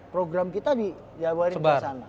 program kita di jawa indonesia kesana